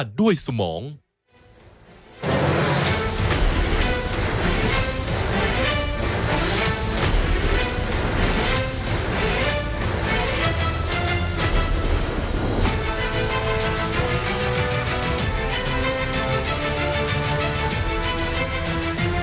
ชูเว็ตตีแสงหน้า